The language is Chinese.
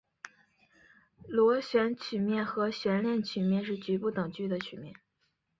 螺旋曲面和悬链曲面是局部等距的曲面。